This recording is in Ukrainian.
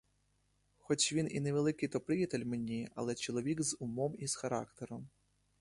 Хоч він і невеликий то приятель мені, але чоловік з умом і з характером.